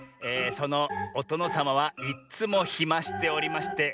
「そのおとのさまはいっつもひましておりまして